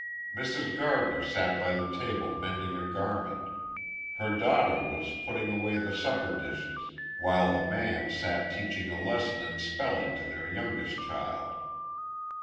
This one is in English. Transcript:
Mrs. Gardiner sat by the table mending a garment; her daughter was putting away the supper dishes; while the man sat teaching a lesson in spelling to their youngest child.